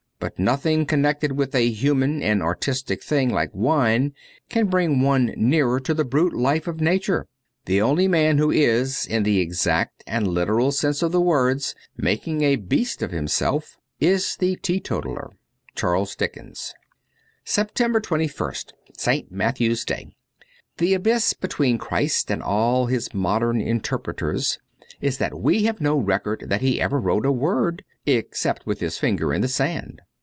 But nothing connected with a human and artistic thing like wine can bring one nearer to the brute life of Nature. The only man who is, in the exact and literal sense of the words, making a beast of him self is the teetotaller. ' Charles Dickens.' 293 SEPTEMBER 21st ST. MATTHEW'S DAY THE abyss between Christ and all His modern interpreters is that we have no record that He ever wrote a word, except with His finger in the sand.